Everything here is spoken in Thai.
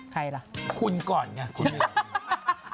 ใครล่ะคุณก่อนค่ะ